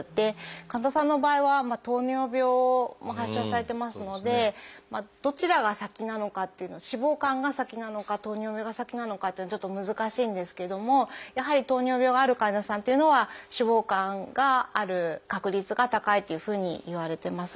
神田さんの場合は糖尿病も発症されてますのでどちらが先なのかっていうのは脂肪肝が先なのか糖尿病が先なのかっていうのはちょっと難しいんですけどもやはり糖尿病がある患者さんっていうのは脂肪肝がある確率が高いというふうにいわれてます。